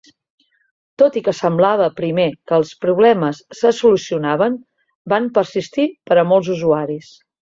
Tot i que semblava primer que els problemes se solucionaven, van persistir per a molts usuaris.